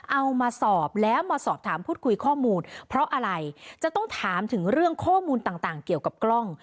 เอามาสอบแล้วมาสอบถามพูดคุยข้อมูลเพราะอะไรจะต้องถามถึงเรื่องข้อมูลต่างเกี่ยวกับกล้อง